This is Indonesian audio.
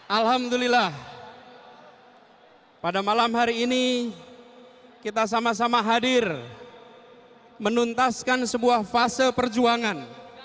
alhamdulillah pada malam hari ini kita sama sama hadir menuntaskan sebuah fase perjuangan